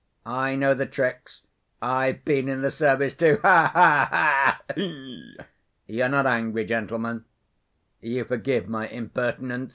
I know the tricks. I've been in the service, too. Ha ha ha! You're not angry, gentlemen? You forgive my impertinence?"